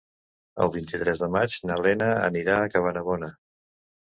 El vint-i-tres de maig na Lena anirà a Cabanabona.